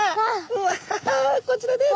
うわこちらです。